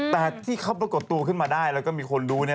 แต่ที่เขาปรากฏตัวขึ้นมาได้แล้วก็มีคนรู้เนี่ย